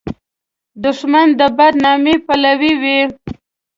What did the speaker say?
دښمن د بد نامۍ پلوی وي